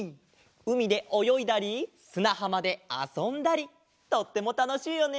うみでおよいだりすなはまであそんだりとってもたのしいよね。